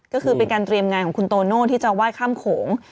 ก็คือเป็นการเตรียมงานของคุณโตโน่ที่จะไหว้ข้ามโขง